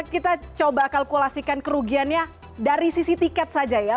kita coba kalkulasikan kerugiannya dari sisi tiket saja ya